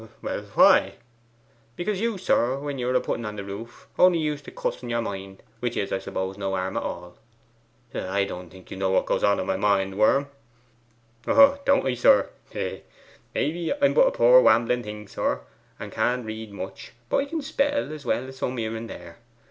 'Well why?' 'Because you, sir, when ye were a putting on the roof, only used to cuss in your mind, which is, I suppose, no harm at all.' 'I don't think you know what goes on in my mind, Worm.' 'Oh, doan't I, sir hee, hee! Maybe I'm but a poor wambling thing, sir, and can't read much; but I can spell as well as some here and there.